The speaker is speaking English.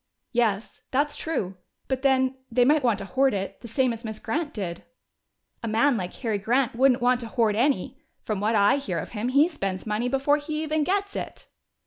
"Yes, that's true. But then, they might want to hoard it, the same as Miss Grant did." "A man like Harry Grant wouldn't want to hoard any! From what I hear of him, he spends money before he even gets it."